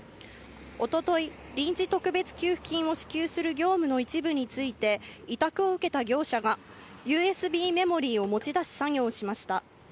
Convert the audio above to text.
おととい、臨時特別給付金を支給する業務の一部について、委託を受けた業者が、ＵＳＢメモリーを持ち出す作業をしました。